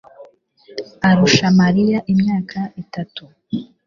arusha Mariya imyaka itatu.